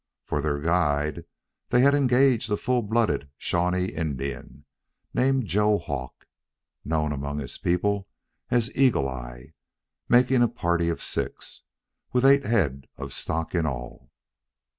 For their guide they had engaged a full blooded Shawnee Indian named Joe Hawk, known among his people as Eagle eye, making a party of six, with eight head of stock in all.